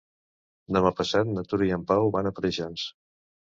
Demà passat na Tura i en Pau van a Preixens.